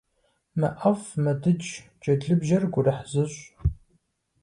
Мыӏэфӏ, мыдыдж, джэд лыбжьэр гурыхь зыщӏ.